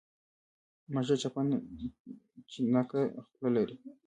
مږه چينګه خوله لري.